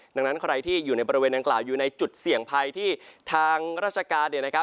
ดังนั้นใครที่อยู่ในบริเวณดังกล่าวอยู่ในจุดเสี่ยงภัยที่ทางราชการ